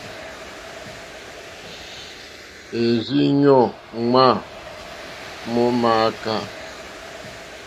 È rzí ɲɔ́ ŋmá mó mááká.